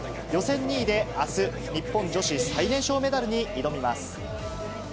予選２位であす、日本女子最年少メダルに挑みます。